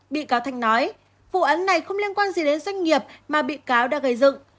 bị cáo thanh nói vụ án này không liên quan gì đến doanh nghiệp mà bị cáo đã gây dựng